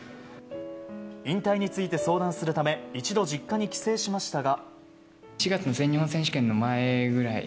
引退について相談するため一度、実家に帰省しましたが。